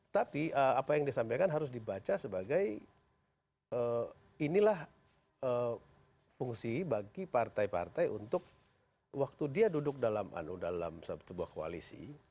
tapi apa yang disampaikan harus dibaca sebagai inilah fungsi bagi partai partai untuk waktu dia duduk dalam sebuah koalisi